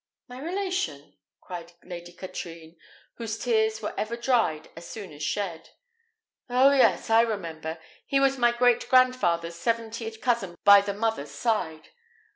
"My relation?" cried Lady Katrine, whose tears were ever dried as soon as shed. "Oh, yes! I remember: he was my great grandfather's seventieth cousin by the mother's side.